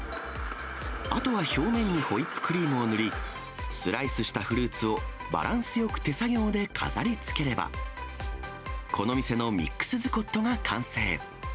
あとは表面にホイップクリームを塗り、スライスしたフルーツをバランスよく手作業で飾りつければ、この店のミックスズコットが完成。